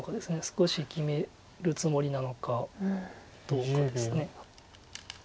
少し決めるつもりなのかどうかです。